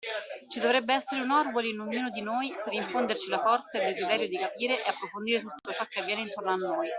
Ci dovrebbe essere un Orwell in ognuno di noi per infonderci la forza ed il desiderio di capire e approfondire tutto ciò che avviene intorno a noi.